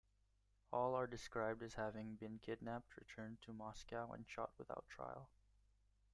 All are described as having been kidnapped, returned to Moscow, and shot without trial.